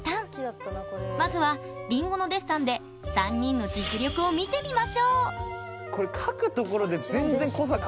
まずはりんごのデッサンで３人の実力を見てみましょう。